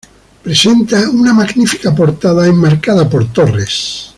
Presenta una magnífica portada enmarcada por torres.